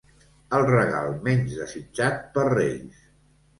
El regal menys desitjat per Reis.